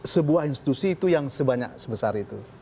sebuah institusi itu yang sebanyak sebesar itu